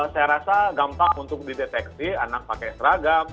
saya rasa gampang untuk dideteksi anak pakai seragam